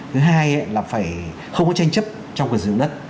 thứ hai là phải không có tranh chấp trong quyền sở hữu đất